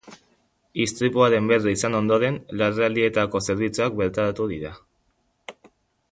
Istripuaren berri izan ondoren, larrialdietako zerbitzuak bertaratu dira.